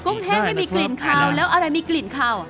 แห้งไม่มีกลิ่นคาวแล้วอะไรมีกลิ่นขาว